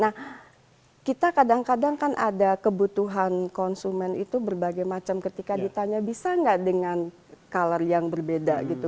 nah kita kadang kadang kan ada kebutuhan konsumen itu berbagai macam ketika ditanya bisa nggak dengan color yang berbeda gitu